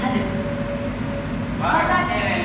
また来てね！